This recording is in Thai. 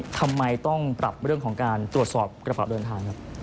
ทำไมต้องปรับเรื่องของการตรวจสอบกระเป๋าเดินทางครับ